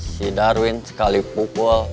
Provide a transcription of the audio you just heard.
si darwin sekali pukul